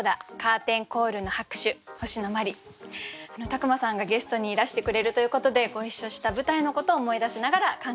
宅間さんがゲストにいらしてくれるということでご一緒した舞台のことを思い出しながら考えました。